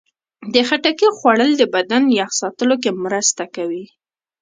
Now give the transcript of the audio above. د خټکي خوړل د بدن یخ ساتلو کې مرسته کوي.